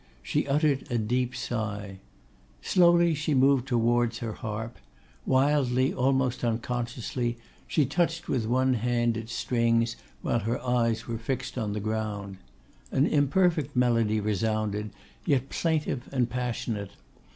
She uttered a deep sigh. Slowly she moved towards her harp; wildly, almost unconsciously, she touched with one hand its strings, while her eyes were fixed on the ground. An imperfect melody resounded; yet plaintive and passionate.